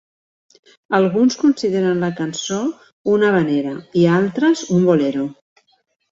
Alguns consideren la cançó una havanera i altres, un bolero.